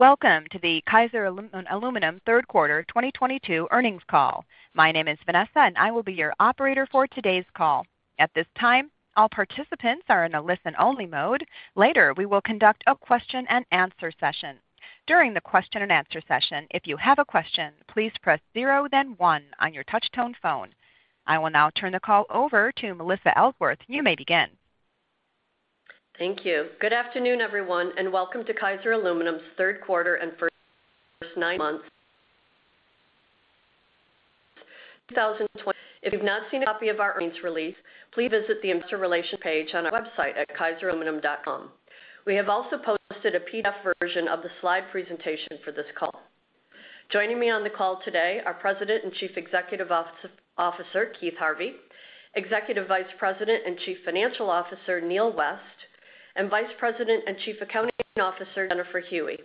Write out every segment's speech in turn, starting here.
Welcome to the Kaiser Aluminum Third Quarter 2022 Earnings Call. My name is Vanessa, and I will be your operator for today's call. At this time, all participants are in a listen-only mode. Later, we will conduct a question-and-answer session. During the question-and-answer session, if you have a question, please press zero, then one on your touch-tone phone. I will now turn the call over to Melinda Ellsworth. You may begin. Thank you. Good afternoon, everyone, and welcome to Kaiser Aluminum's Third Quarter and First Nine Months 2020. If you've not seen a copy of our earnings release, please visit the Investor Relations page on our website at kaiseraluminum.com. We have also posted a PDF version of the slide presentation for this call. Joining me on the call today are President and Chief Executive Officer, Keith Harvey, Executive Vice President and Chief Financial Officer, Neal West, and Vice President and Chief Accounting Officer, Jennifer Huey.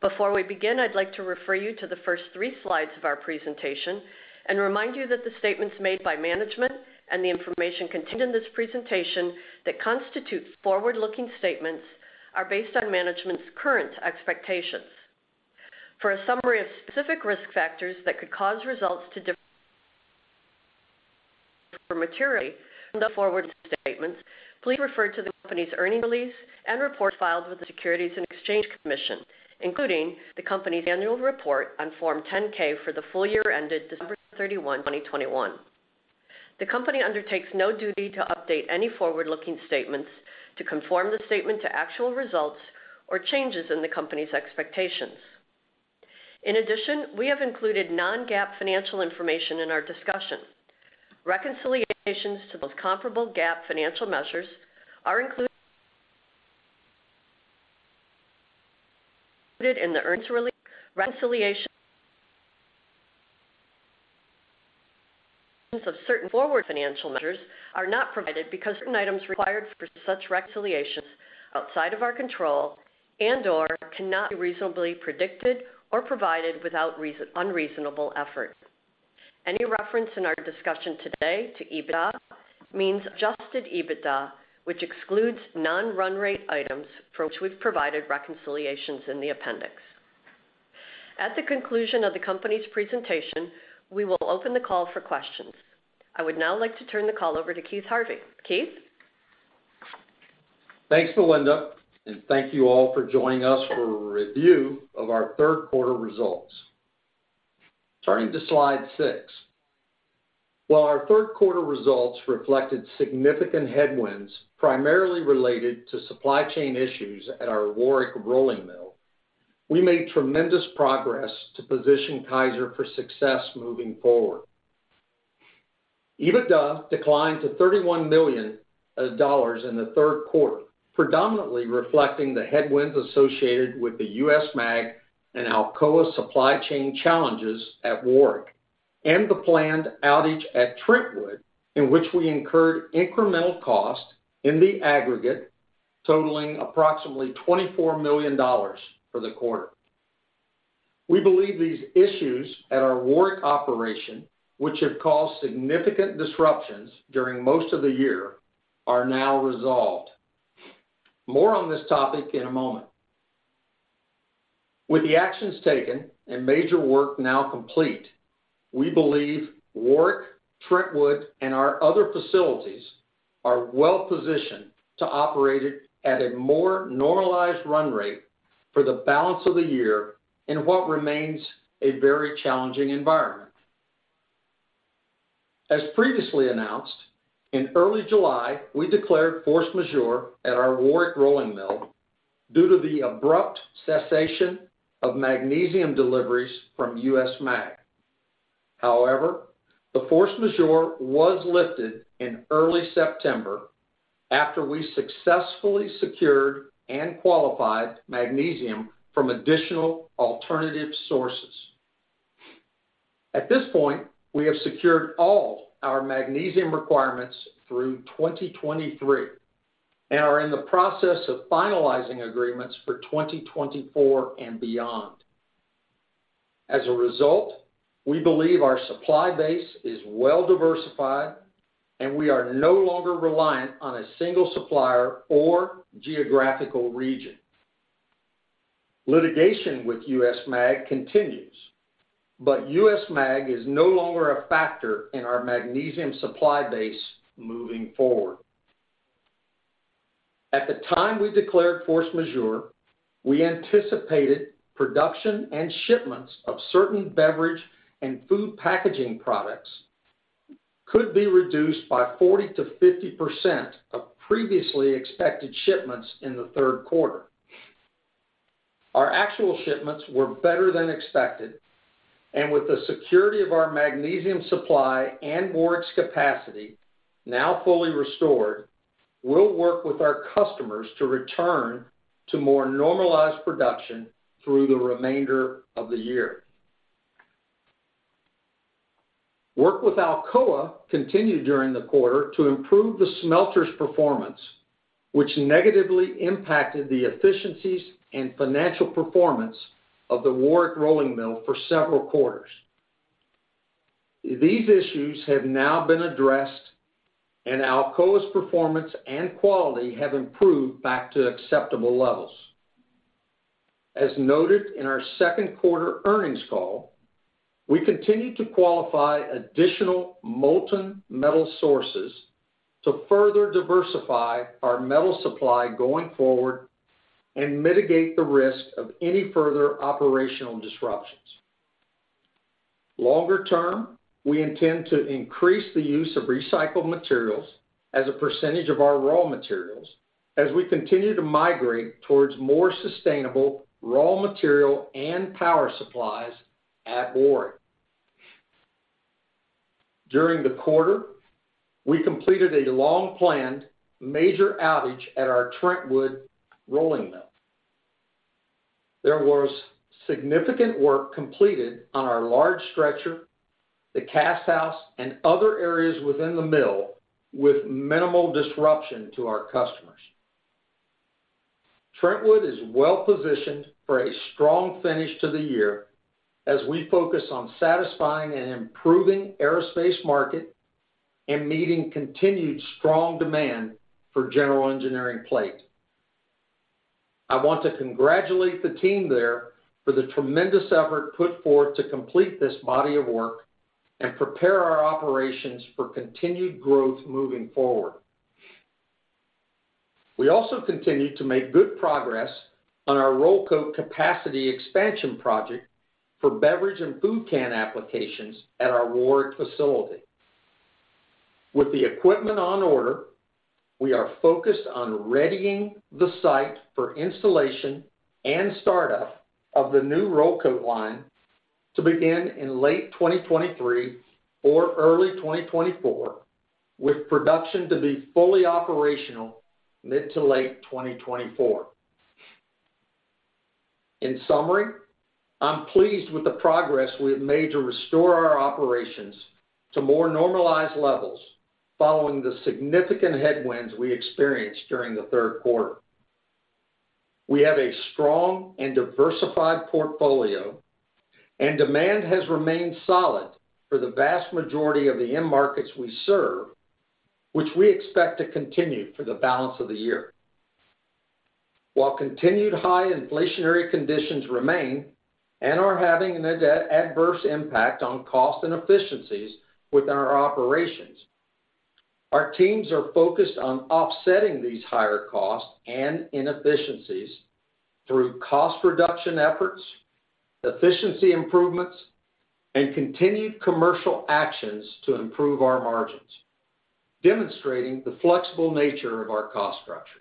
Before we begin, I'd like to refer you to the first three slides of our presentation and remind you that the statements made by management and the information contained in this presentation that constitute forward-looking statements are based on management's current expectations. For a summary of specific risk factors that could cause results to differ materially from those forward statements, please refer to the company's earnings release and reports filed with the Securities and Exchange Commission, including the company's annual report on Form 10-K for the full year ended December 31, 2021. The company undertakes no duty to update any forward-looking statements to conform the statement to actual results or changes in the company's expectations. In addition, we have included non-GAAP financial information in our discussion. Reconciliations to those comparable GAAP financial measures are included in the earnings release. Reconciliations of certain forward financial measures are not provided because certain items required for such reconciliations are outside of our control and/or cannot be reasonably predicted or provided without unreasonable effort. Any reference in our discussion today to EBITDA means Adjusted EBITDA, which excludes non-run rate items for which we've provided reconciliations in the appendix. At the conclusion of the company's presentation, we will open the call for questions. I would now like to turn the call over to Keith Harvey. Keith. Thanks, Melinda, and thank you all for joining us for a review of our third quarter results. Turning to slide six. While our third quarter results reflected significant headwinds, primarily related to supply chain issues at our Warrick Rolling Mill, we made tremendous progress to position Kaiser for success moving forward. EBITDA declined to $31 million in the third quarter, predominantly reflecting the headwinds associated with the U.S. Magnesium and Alcoa supply chain challenges at Warrick and the planned outage at Trentwood, in which we incurred incremental cost in the aggregate totaling approximately $24 million for the quarter. We believe these issues at our Warrick operation, which have caused significant disruptions during most of the year, are now resolved. More on this topic in a moment. With the actions taken and major work now complete, we believe Warrick, Trentwood, and our other facilities are well-positioned to operate it at a more normalized run rate for the balance of the year in what remains a very challenging environment. As previously announced, in early July, we declared force majeure at our Warrick Rolling Mill due to the abrupt cessation of magnesium deliveries from U.S. Magnesium. However, the force majeure was lifted in early September after we successfully secured and qualified magnesium from additional alternative sources. At this point, we have secured all our magnesium requirements through 2023 and are in the process of finalizing agreements for 2024 and beyond. As a result, we believe our supply base is well-diversified, and we are no longer reliant on a single supplier or geographical region. Litigation with U.S. Magnesium continues, but U.S. Magnesium is no longer a factor in our magnesium supply base moving forward. At the time we declared force majeure, we anticipated production and shipments of certain beverage and food packaging products could be reduced by 40%-50% of previously expected shipments in the third quarter. Our actual shipments were better than expected, and with the security of our magnesium supply and Warrick's capacity now fully restored, we'll work with our customers to return to more normalized production through the remainder of the year. Work with Alcoa continued during the quarter to improve the smelter's performance, which negatively impacted the efficiencies and financial performance of the Warrick Rolling Mill for several quarters. These issues have now been addressed, and Alcoa's performance and quality have improved back to acceptable levels. As noted in our second quarter earnings call, we continue to qualify additional molten metal sources to further diversify our metal supply going forward and mitigate the risk of any further operational disruptions. Longer term, we intend to increase the use of recycled materials as a percentage of our raw materials as we continue to migrate towards more sustainable raw material and power supplies at Warrick. During the quarter, we completed a long-planned major outage at our Trentwood rolling mill. There was significant work completed on our large stretcher, the cast house, and other areas within the mill with minimal disruption to our customers. Trentwood is well-positioned for a strong finish to the year as we focus on satisfying and improving aerospace market and meeting continued strong demand for general engineering plate. I want to congratulate the team there for the tremendous effort put forward to complete this body of work and prepare our operations for continued growth moving forward. We also continued to make good progress on our roll coat capacity expansion project for beverage and food can applications at our Warrick facility. With the equipment on order, we are focused on readying the site for installation and startup of the new roll coat line to begin in late 2023 or early 2024, with production to be fully operational mid- to late 2024. In summary, I'm pleased with the progress we have made to restore our operations to more normalized levels following the significant headwinds we experienced during the third quarter. We have a strong and diversified portfolio, and demand has remained solid for the vast majority of the end markets we serve, which we expect to continue for the balance of the year. While continued high inflationary conditions remain and are having an adverse impact on cost and efficiencies within our operations, our teams are focused on offsetting these higher costs and inefficiencies through cost reduction efforts, efficiency improvements, and continued commercial actions to improve our margins, demonstrating the flexible nature of our cost structure.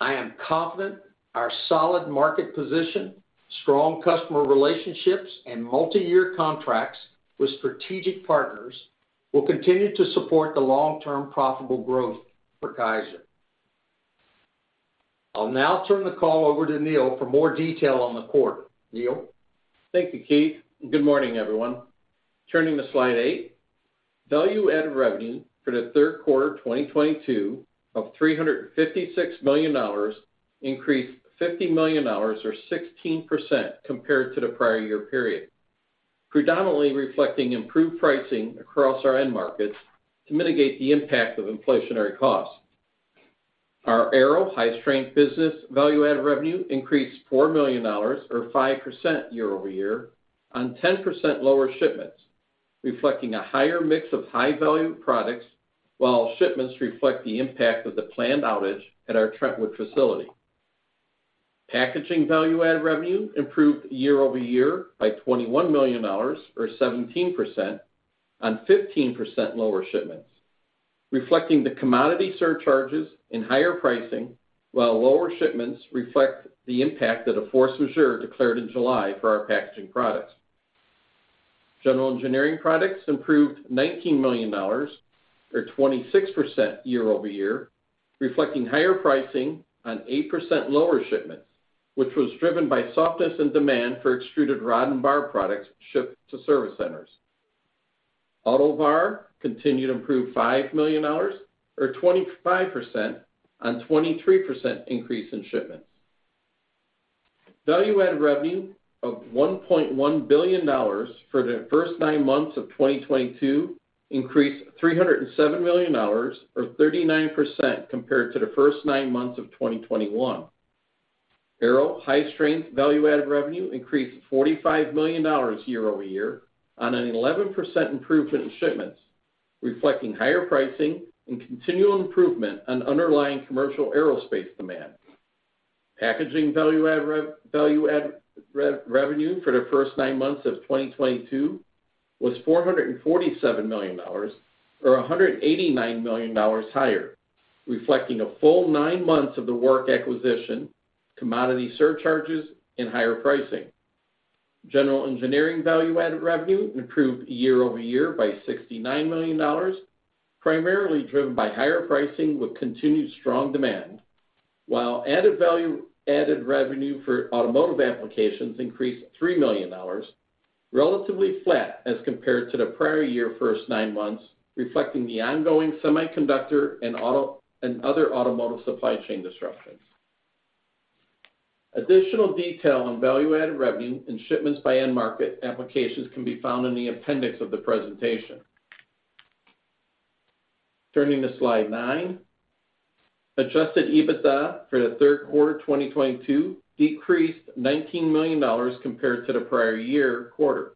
I am confident our solid market position, strong customer relationships, and multiyear contracts with strategic partners will continue to support the long-term profitable growth for Kaiser. I'll now turn the call over to Neal for more detail on the quarter. Neal? Thank you, Keith, and good morning, everyone. Turning to slide eight. Value-added revenue for the third quarter 2022 of $356 million increased $50 million or 16% compared to the prior year period, predominantly reflecting improved pricing across our end markets to mitigate the impact of inflationary costs. Our aerospace and high-strength business value-added revenue increased $4 million or 5% year-over-year on 10% lower shipments, reflecting a higher mix of high-value products while shipments reflect the impact of the planned outage at our Trentwood facility. Packaging value-added revenue improved year-over-year by $21 million or 17% on 15% lower shipments, reflecting the commodity surcharges and higher pricing, while lower shipments reflect the impact that a force majeure declared in July for our packaging products. General engineering products improved $19 million or 26% year-over-year, reflecting higher pricing on 8% lower shipments, which was driven by softness in demand for extruded rod and bar products shipped to service centers. Automotive applications continued to improve $5 million or 25% on 23% increase in shipments. Value-added revenue of $1.1 billion for the first nine months of 2022 increased $307 million or 39% compared to the first nine months of 2021. Aerospace and high-strength value-added revenue increased $45 million year-over-year on an 11% improvement in shipments, reflecting higher pricing and continual improvement in underlying commercial aerospace demand. Packaging value-added revenue for the first nine months of 2022 was $447 million or $189 million higher, reflecting a full nine months of the Warrick acquisition, commodity surcharges and higher pricing. General engineering value-added revenue improved year-over-year by $69 million, primarily driven by higher pricing with continued strong demand, while value-added revenue for automotive applications increased $3 million, relatively flat as compared to the prior-year first nine months, reflecting the ongoing semiconductor and other automotive supply chain disruptions. Additional detail on value-added revenue and shipments by end market applications can be found in the appendix of the presentation. Turning to slide nine. Adjusted EBITDA for the third quarter 2022 decreased $19 million compared to the prior-year quarter.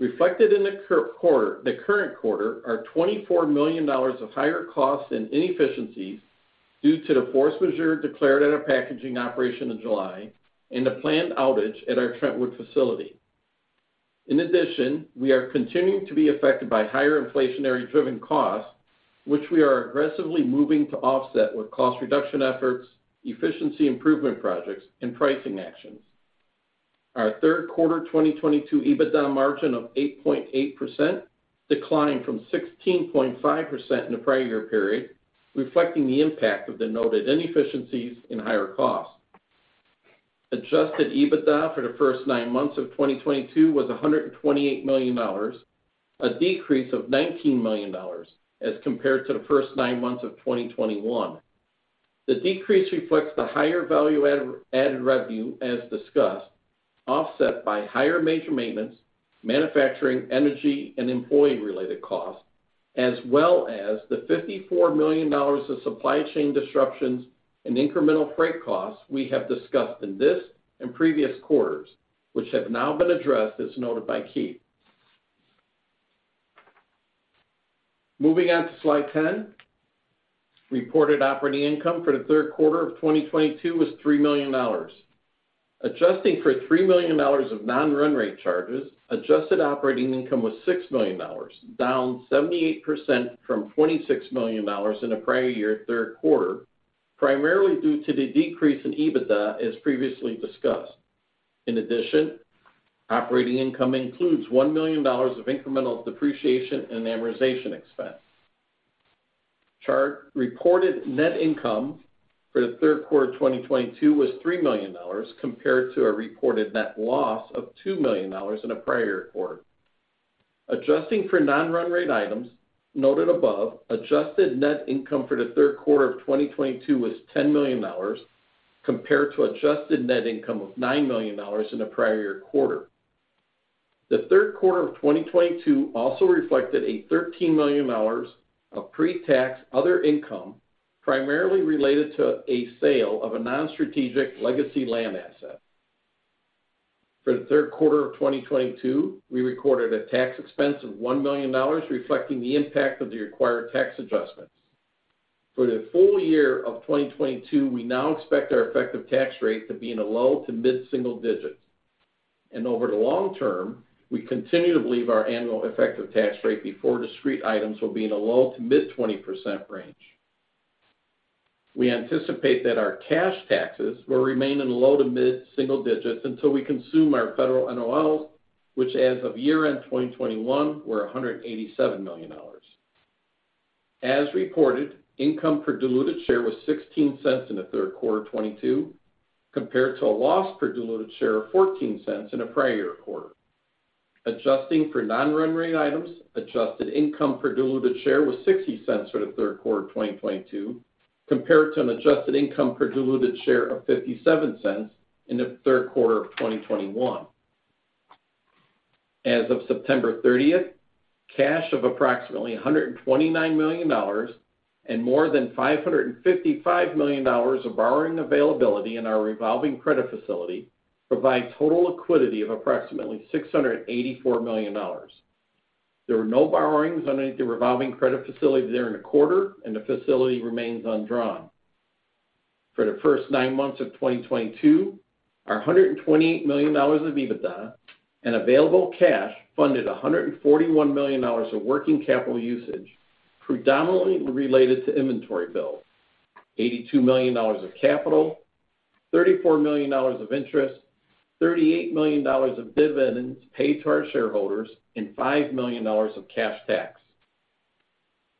Reflected in the current quarter are $24 million of higher costs and inefficiencies due to the force majeure declared at our packaging operation in July and the planned outage at our Trentwood facility. In addition, we are continuing to be affected by higher inflationary-driven costs, which we are aggressively moving to offset with cost reduction efforts, efficiency improvement projects, and pricing actions. Our third quarter 2022 EBITDA margin of 8.8% declined from 16.5% in the prior year period, reflecting the impact of the noted inefficiencies and higher costs. Adjusted EBITDA for the first nine months of 2022 was $128 million, a decrease of $19 million as compared to the first nine months of 2021. The decrease reflects the higher value-added revenue, as discussed, offset by higher major maintenance, manufacturing, energy, and employee-related costs, as well as the $54 million of supply chain disruptions and incremental freight costs we have discussed in this and previous quarters, which have now been addressed, as noted by Keith. Moving on to slide 10. Reported operating income for the third quarter of 2022 was $3 million. Adjusting for $3 million of non-run rate charges, adjusted operating income was $6 million, down 78% from $26 million in the prior year third quarter, primarily due to the decrease in EBITDA, as previously discussed. In addition, operating income includes $1 million of incremental depreciation and amortization expense. Reported net income for the third quarter 2022 was $3 million, compared to a reported net loss of $2 million in the prior quarter. Adjusting for non-run rate items noted above, adjusted net income for the third quarter of 2022 was $10 million, compared to adjusted net income of $9 million in the prior year quarter. The third quarter of 2022 also reflected $13 million of pretax other income, primarily related to a sale of a non-strategic legacy land asset. For the third quarter of 2022, we recorded a tax expense of $1 million, reflecting the impact of the required tax adjustments. For the full year of 2022, we now expect our effective tax rate to be in the low- to mid-single digits. Over the long term, we continue to believe our annual effective tax rate before discrete items will be in the low- to mid-20% range. We anticipate that our cash taxes will remain in the low- to mid-single-digit % until we consume our federal NOLs, which as of year-end 2021 were $187 million. As reported, income per diluted share was $0.16 in the third quarter of 2022, compared to a loss per diluted share of $0.14 in the prior quarter. Adjusting for non-recurring items, adjusted income per diluted share was $0.60 for the third quarter of 2022, compared to an adjusted income per diluted share of $0.57 in the third quarter of 2021. As of September 30th, cash of approximately $129 million and more than $555 million of borrowing availability in our revolving credit facility provide total liquidity of approximately $684 million. There were no borrowings under the revolving credit facility during the quarter, and the facility remains undrawn. For the first nine months of 2022, our $128 million of EBITDA and available cash funded $141 million of working capital usage predominantly related to inventory build, $82 million of capital, $34 million of interest, $38 million of dividends paid to our shareholders, and $5 million of cash tax.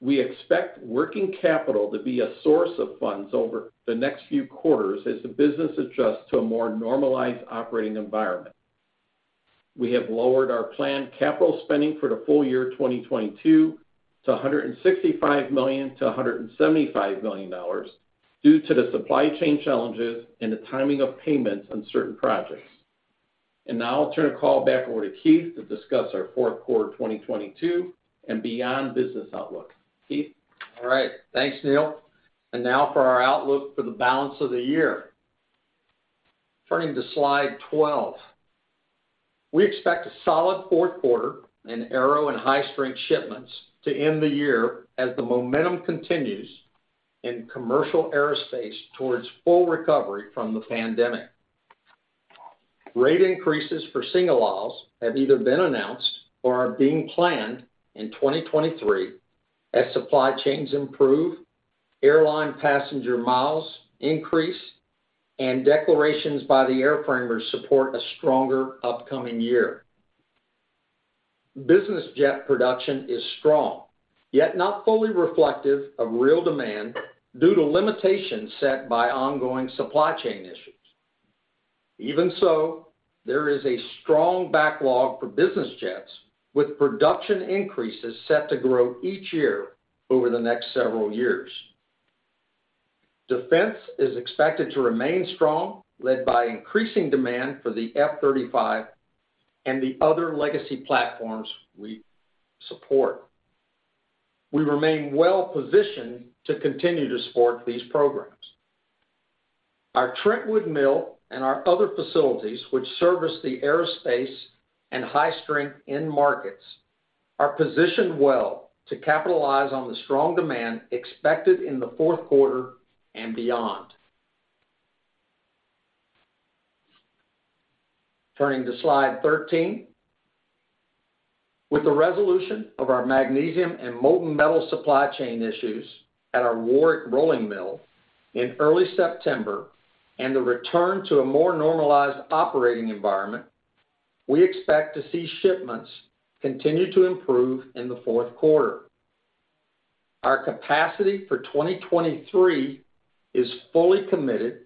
We expect working capital to be a source of funds over the next few quarters as the business adjusts to a more normalized operating environment. We have lowered our planned capital spending for the full year 2022 to $165 million-$175 million due to the supply chain challenges and the timing of payments on certain projects. Now I'll turn the call back over to Keith to discuss our fourth quarter 2022 and beyond business outlook. Keith? All right. Thanks, Neal. Now for our outlook for the balance of the year. Turning to slide 12. We expect a solid fourth quarter in aerospace and high-strength shipments to end the year as the momentum continues in commercial aerospace towards full recovery from the pandemic. Rate increases for single aisles have either been announced or are being planned in 2023 as supply chains improve, airline passenger miles increase, and declarations by the airframers support a stronger upcoming year. Business jet production is strong, yet not fully reflective of real demand due to limitations set by ongoing supply chain issues. Even so, there is a strong backlog for business jets with production increases set to grow each year over the next several years. Defense is expected to remain strong, led by increasing demand for the F-35 and the other legacy platforms we support. We remain well-positioned to continue to support these programs. Our Trentwood mill and our other facilities, which service the aerospace and high-strength end markets, are positioned well to capitalize on the strong demand expected in the fourth quarter and beyond. Turning to slide 13. With the resolution of our magnesium and molten metal supply chain issues at our Warrick Rolling Mill in early September and the return to a more normalized operating environment, we expect to see shipments continue to improve in the fourth quarter. Our capacity for 2023 is fully committed,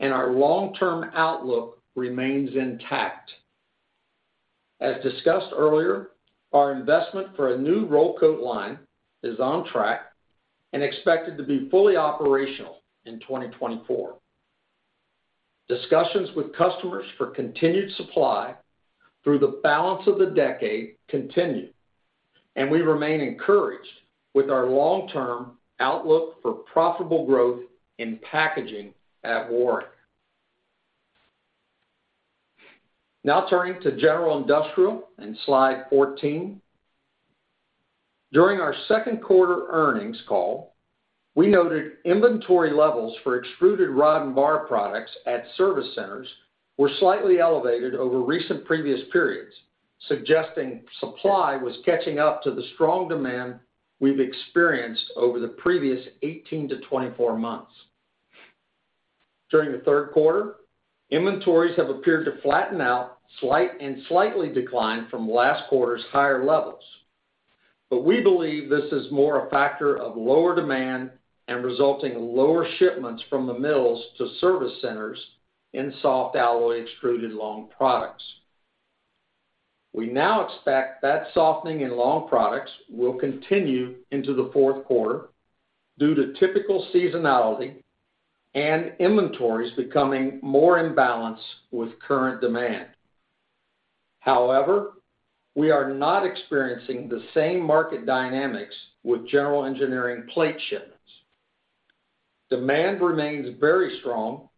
and our long-term outlook remains intact. As discussed earlier, our investment for a new roll coat line is on track and expected to be fully operational in 2024. Discussions with customers for continued supply through the balance of the decade continue, and we remain encouraged with our long-term outlook for profitable growth in packaging at Warrick. Now turning to general engineering in slide 14. During our second quarter earnings call, we noted inventory levels for extruded rod and bar products at service centers were slightly elevated over recent previous periods, suggesting supply was catching up to the strong demand we've experienced over the previous 18-24 months. During the third quarter, inventories have appeared to flatten out slightly, and slightly decline from last quarter's higher levels. We believe this is more a factor of lower demand and resulting lower shipments from the mills to service centers in soft alloy extruded long products. We now expect that softening in long products will continue into the fourth quarter due to typical seasonality and inventories becoming more in balance with current demand. However, we are not experiencing the same market dynamics with general engineering plate shipments. Demand remains very strong,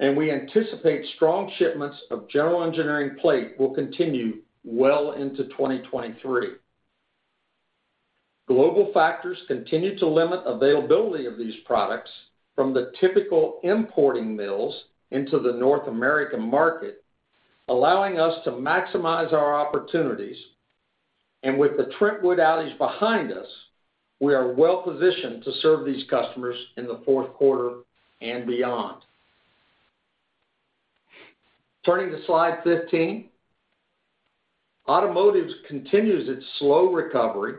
and we anticipate strong shipments of general engineering plate will continue well into 2023. Global factors continue to limit availability of these products from the typical importing mills into the North American market, allowing us to maximize our opportunities. With the Trentwood outage behind us, we are well-positioned to serve these customers in the fourth quarter and beyond. Turning to slide 15. Automotive continues its slow recovery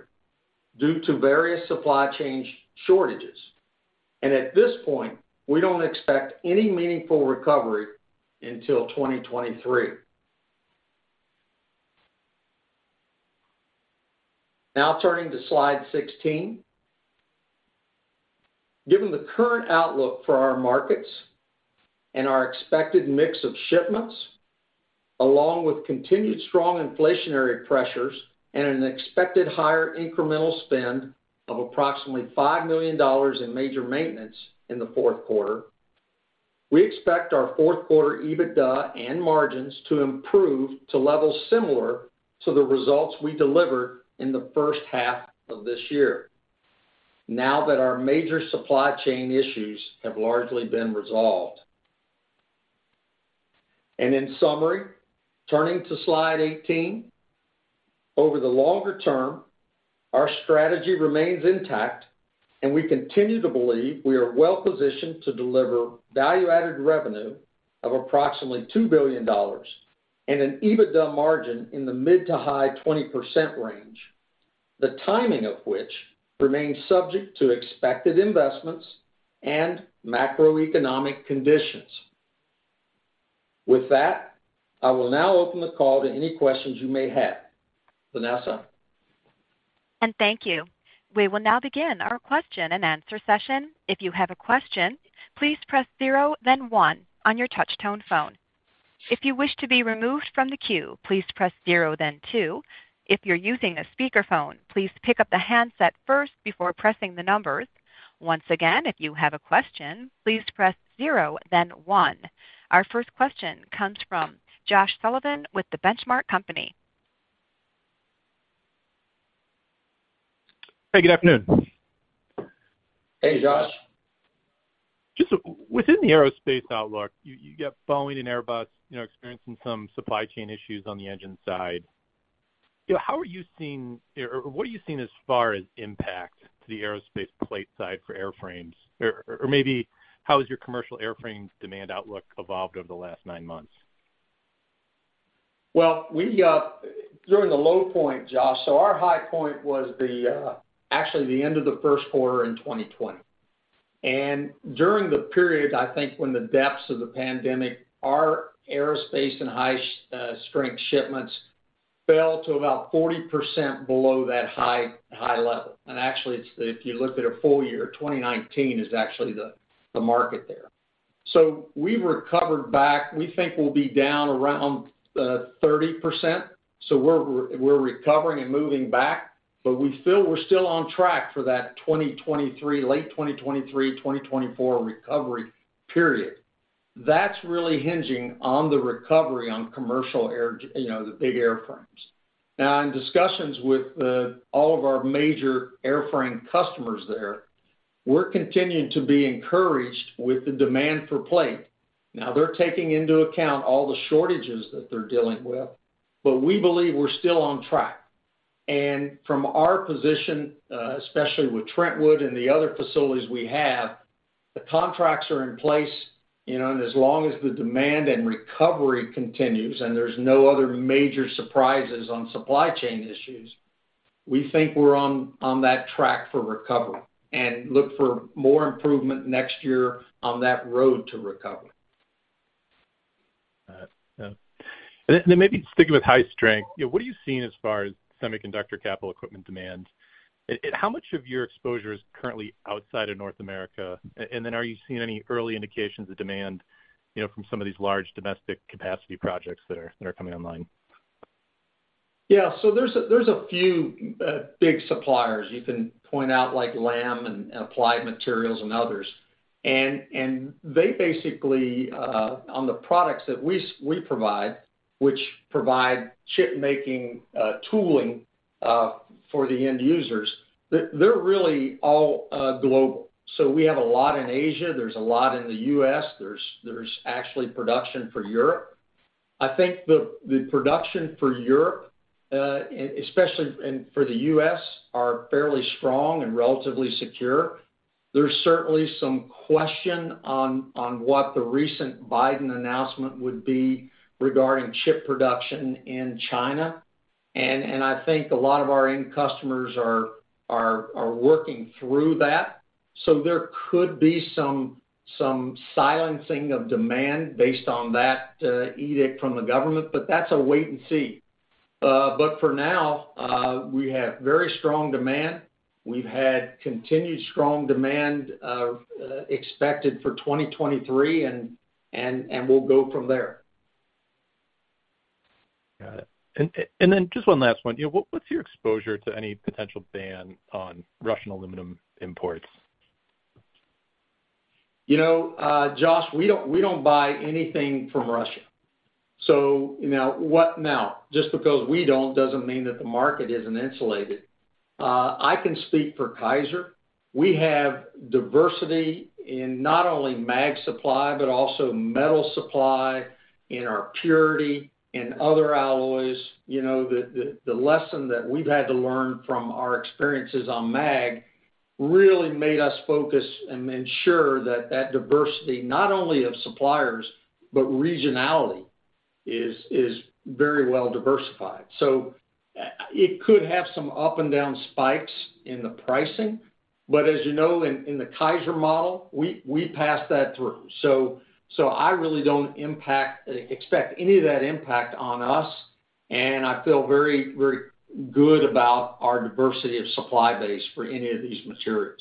due to various supply chain shortages. At this point, we don't expect any meaningful recovery until 2023. Now turning to slide 16. Given the current outlook for our markets and our expected mix of shipments, along with continued strong inflationary pressures and an expected higher incremental spend of approximately $5 million in major maintenance in the fourth quarter, we expect our fourth quarter EBITDA and margins to improve to levels similar to the results we delivered in the first half of this year now that our major supply chain issues have largely been resolved. In summary, turning to slide 18, over the longer term, our strategy remains intact, and we continue to believe we are well-positioned to deliver value-added revenue of approximately $2 billion and an EBITDA margin in the mid- to high-20% range, the timing of which remains subject to expected investments and macroeconomic conditions. With that, I will now open the call to any questions you may have. Vanessa? Thank you. We will now begin our question-and-answer session. If you have a question, please press zero then one on your touch-tone phone. If you wish to be removed from the queue, please press zero then two. If you're using a speakerphone, please pick up the handset first before pressing the numbers. Once again, if you have a question, please press zero then one. Our first question comes from Josh Sullivan with The Benchmark Company. Hey, good afternoon. Hey, Josh. Just within the aerospace outlook, you got Boeing and Airbus, you know, experiencing some supply chain issues on the engine side. You know, how are you seeing or what are you seeing as far as impact to the aerospace plate side for airframes? Or maybe how has your commercial airframes demand outlook evolved over the last nine months? During the low point, Josh, our high point was actually the end of the first quarter in 2020. During the period, I think when the depths of the pandemic, our aerospace and high-strength shipments fell to about 40% below that high level. Actually, if you looked at a full year, 2019 is actually the market there. We've recovered back. We think we'll be down around 30%. We're recovering and moving back, but we're still on track for that 2023, late 2023, 2024 recovery period. That's really hinging on the recovery on commercial air, you know, the big airframes. Now, in discussions with all of our major airframe customers there, we're continuing to be encouraged with the demand for plate. Now they're taking into account all the shortages that they're dealing with, but we believe we're still on track. From our position, especially with Trentwood and the other facilities we have, the contracts are in place, you know, and as long as the demand and recovery continues, and there's no other major surprises on supply chain issues, we think we're on that track for recovery and look for more improvement next year on that road to recovery. All right. Yeah. Maybe sticking with high strength, you know, what are you seeing as far as semiconductor capital equipment demand? How much of your exposure is currently outside of North America? Are you seeing any early indications of demand, you know, from some of these large domestic capacity projects that are coming online? Yeah. There's a few big suppliers you can point out, like Lam and Applied Materials and others. They basically on the products that we provide, which provide chip-making tooling for the end users, they're really all global. We have a lot in Asia. There's a lot in the U.S. There's actually production for Europe. I think the production for Europe especially and for the U.S. are fairly strong and relatively secure. There's certainly some question on what the recent Biden announcement would be regarding chip production in China. I think a lot of our end customers are working through that. There could be some silencing of demand based on that edict from the government, but that's a wait and see. For now, we have very strong demand. We've had continued strong demand expected for 2023 and we'll go from there. Got it. Then just one last one. You know, what's your exposure to any potential ban on Russian aluminum imports? You know, Josh, we don't buy anything from Russia. So, you know, what now? Just because we don't doesn't mean that the market isn't insulated. I can speak for Kaiser. We have diversity in not only mag supply, but also metal supply in our purity and other alloys. You know, the lesson that we've had to learn from our experiences on mag really made us focus and ensure that diversity, not only of suppliers, but regionality is very well diversified. So, it could have some up and down spikes in the pricing. But as you know, in the Kaiser model, we pass that through. So I really don't expect any of that impact on us. I feel very good about our diversity of supply base for any of these materials.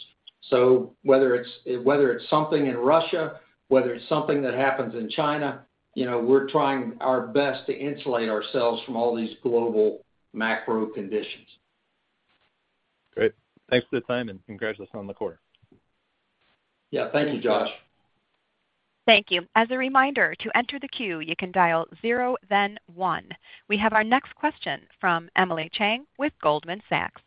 Whether it's something in Russia, whether it's something that happens in China, you know, we're trying our best to insulate ourselves from all these global macro conditions. Great. Thanks for the time and congrats on the quarter. Yeah. Thank you, Josh. Thank you. As a reminder, to enter the queue, you can dial zero, then one. We have our next question from Emily Chang with Goldman Sachs.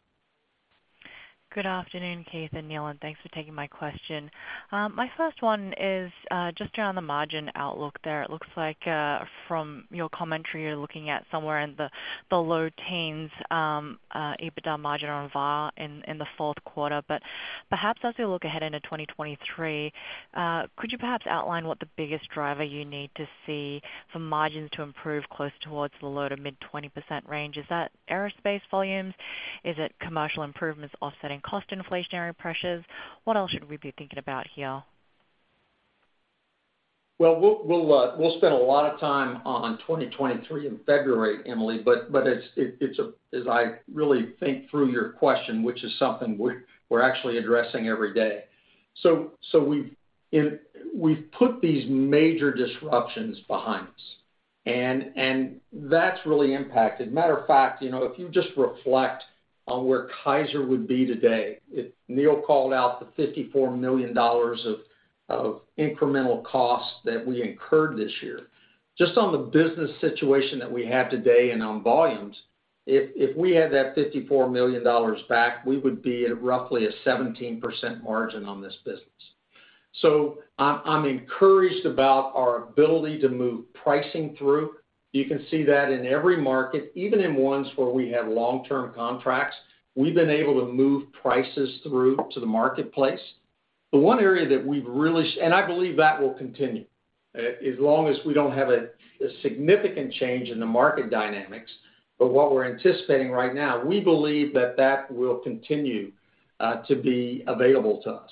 Good afternoon, Keith and Neal, and thanks for taking my question. My first one is, just around the margin outlook there. It looks like, from your commentary, you're looking at somewhere in the low-teens% EBITDA margin on VA in the fourth quarter. Perhaps as we look ahead into 2023, could you perhaps outline what the biggest driver you need to see for margins to improve close towards the low- to mid-20% range? Is that aerospace volumes? Is it commercial improvements offsetting cost inflationary pressures? What else should we be thinking about here? We'll spend a lot of time on 2023 in February, Emily, but it's a as I really think through your question, which is something we're actually addressing every day. We've put these major disruptions behind us, and that's really impacted. Matter of fact, you know, if you just reflect on where Kaiser would be today, if Neal called out the $54 million of incremental costs that we incurred this year. Just on the business situation that we have today and on volumes, if we had that $54 million back, we would be at roughly a 17% margin on this business. I'm encouraged about our ability to move pricing through. You can see that in every market, even in ones where we have long-term contracts, we've been able to move prices through to the marketplace. I believe that will continue, as long as we don't have a significant change in the market dynamics. What we're anticipating right now, we believe that that will continue to be available to us.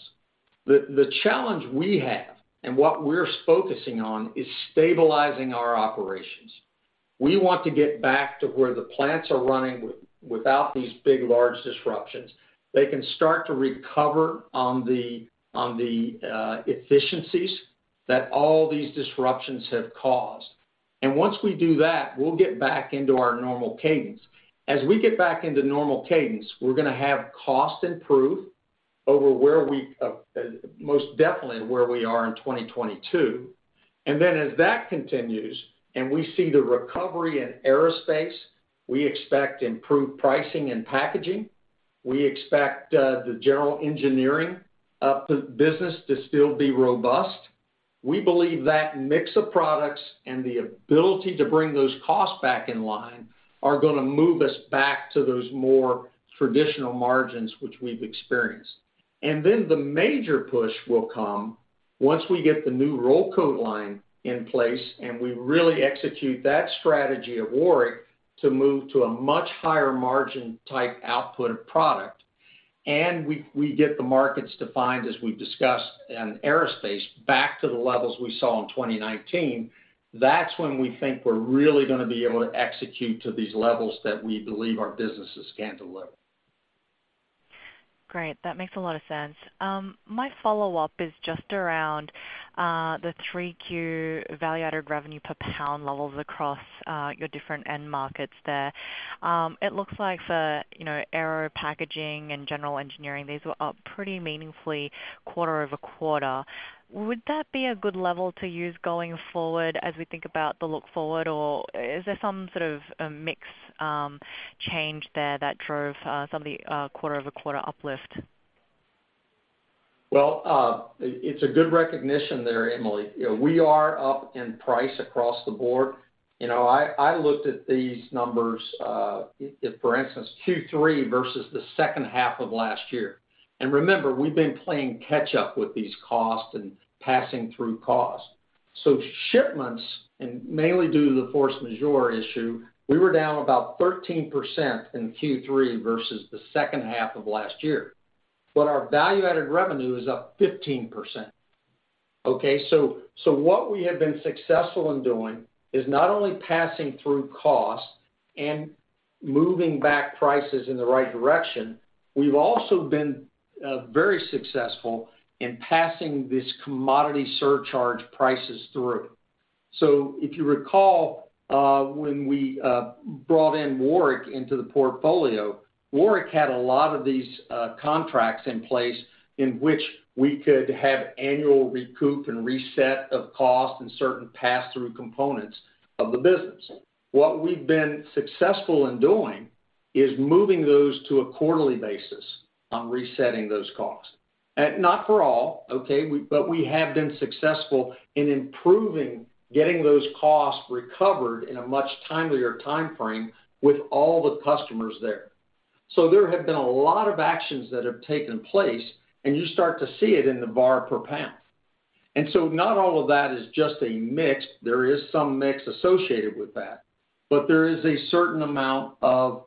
The challenge we have and what we're focusing on is stabilizing our operations. We want to get back to where the plants are running without these big, large disruptions. They can start to recover on the efficiencies that all these disruptions have caused. Once we do that, we'll get back into our normal cadence. As we get back into normal cadence, we're gonna have cost improved over where we are in 2022. Then as that continues and we see the recovery in aerospace, we expect improved pricing and packaging. We expect the general engineering of the business to still be robust. We believe that mix of products and the ability to bring those costs back in line are gonna move us back to those more traditional margins which we've experienced. The major push will come once we get the new roll coat line in place, and we really execute that strategy at Warrick to move to a much higher margin type output of product. We get the markets defined, as we've discussed in aerospace, back to the levels we saw in 2019. That's when we think we're really gonna be able to execute to these levels that we believe our businesses can deliver. Great. That makes a lot of sense. My follow-up is just around the 3Q value-added revenue per pound levels across your different end markets there. It looks like for, you know, aero packaging and general engineering, these were up pretty meaningfully quarter-over-quarter. Would that be a good level to use going forward as we think about the look forward, or is there some sort of a mix change there that drove some of the quarter-over-quarter uplift? Well, it's a good recognition there, Emily. You know, we are up in price across the board. You know, I looked at these numbers, if for instance, Q3 versus the second half of last year. Remember, we've been playing catch up with these costs and passing through costs. Shipments, and mainly due to the force majeure issue, we were down about 13% in Q3 versus the second half of last year, but our value-added revenue is up 15%. Okay, so what we have been successful in doing is not only passing through costs and moving back prices in the right direction, we've also been very successful in passing this commodity surcharge prices through. If you recall, when we brought in Warrick into the portfolio, Warrick had a lot of these contracts in place in which we could have annual recoup and reset of costs and certain pass-through components of the business. What we've been successful in doing is moving those to a quarterly basis on resetting those costs. Not for all, okay? But we have been successful in improving getting those costs recovered in a much timelier timeframe with all the customers there. There have been a lot of actions that have taken place, and you start to see it in the conversion revenue per pound. Not all of that is just a mix. There is some mix associated with that, but there is a certain amount of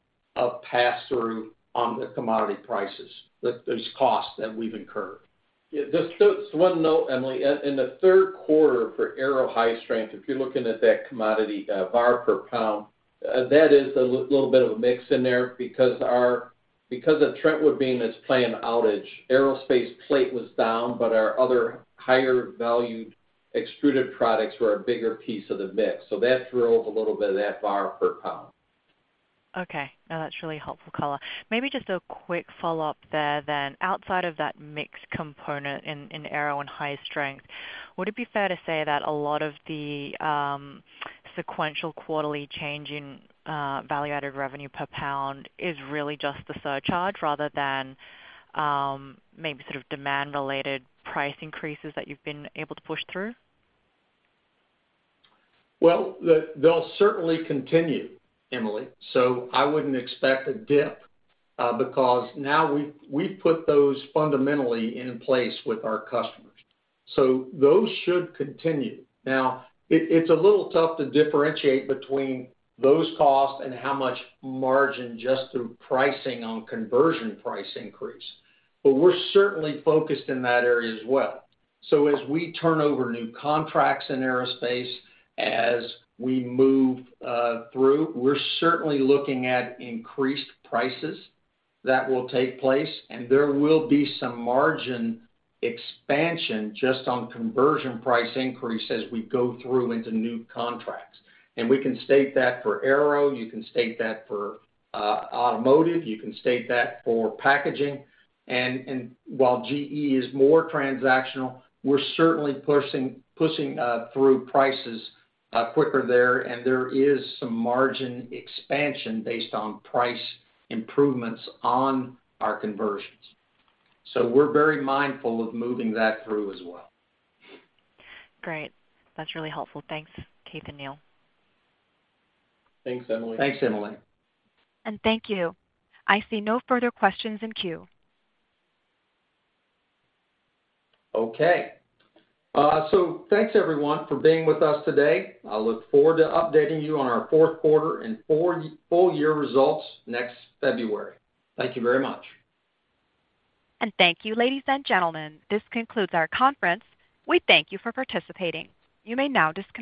pass-through on the commodity prices that there's costs that we've incurred. Just one note, Emily. In the third quarter for aerospace and high-strength, if you're looking at that conversion revenue per pound, that is a little bit of a mix in there because of Trentwood being its planned outage, aerospace plate was down, but our other higher valued extruded products were a bigger piece of the mix. That drove a little bit of that conversion revenue per pound. Okay. No, that's really helpful color. Maybe just a quick follow-up there then. Outside of that mix component in aero and high strength, would it be fair to say that a lot of the sequential quarterly change in value-added revenue per pound is really just the surcharge rather than maybe sort of demand-related price increases that you've been able to push through? They'll certainly continue, Emily. I wouldn't expect a dip, because now we've put those fundamentally in place with our customers. Those should continue. Now, it's a little tough to differentiate between those costs and how much margin just through pricing on conversion price increase, but we're certainly focused in that area as well. As we turn over new contracts in aerospace, as we move through, we're certainly looking at increased prices that will take place, and there will be some margin expansion just on conversion price increase as we go through into new contracts. We can state that for aero, you can state that for automotive, you can state that for packaging. While GE is more transactional, we're certainly pushing through prices quicker there, and there is some margin expansion based on price improvements on our conversions. We're very mindful of moving that through as well. Great. That's really helpful. Thanks, Keith and Neal. Thanks, Emily. Thanks, Emily. Thank you. I see no further questions in queue. Okay. Thanks, everyone, for being with us today. I look forward to updating you on our fourth quarter and full year results next February. Thank you very much. Thank you, ladies and gentlemen. This concludes our conference. We thank you for participating. You may now disconnect.